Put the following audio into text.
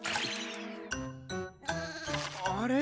あれ？